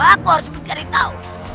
aku harus berkari tahu